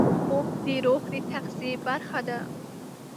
خوب د روح د تغذیې برخه ده